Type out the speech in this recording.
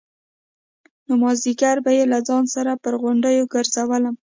نو مازديگر به يې له ځان سره پر غونډيو گرځولم.